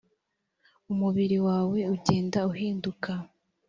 umubiri wawe ugenda uhinduka.